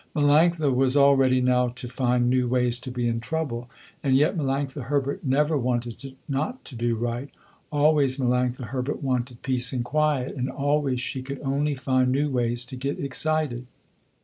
Melanctha was all ready now to find new ways to be in trouble. And yet Melanctha Herbert never wanted not to do right. Always Melanctha Herbert wanted peace and quiet, and always she could only find new ways to get excited.